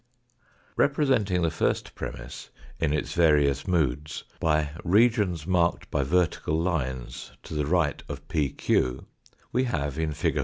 Representing the first premiss in its various moods by regions marked by vertical lines to the right of PQ, we have in fig.